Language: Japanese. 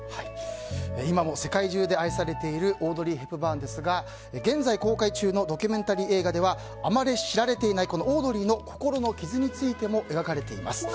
今も世界中で愛されているオードリー・ヘプバーンですが現在、公開中のドキュメンタリー映画ではあまり知られていないオードリーの心の傷についても描かれています。